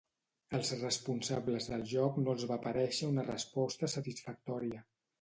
Als responsables del joc no els va parèixer una resposta satisfactòria.